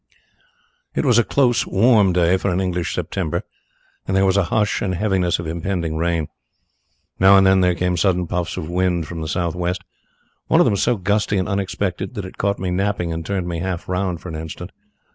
"It was a close, warm day for an English September, and there was the hush and heaviness of impending rain. Now and then there came sudden puffs of wind from the south west one of them so gusty and unexpected that it caught me napping and turned me half round for an instant.